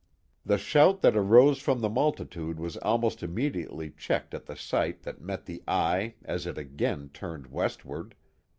The shout that arose from the multitude was almost immediately checked at the sight that met the eye as it again turned westward.